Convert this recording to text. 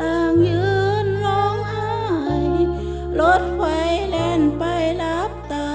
ต่างยืนร้องไห้รถไฟแล่นไปรับตา